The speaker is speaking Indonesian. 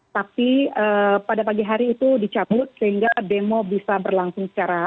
tapi pada pagi hari itu dicabut sehingga demo bisa berlangsung secara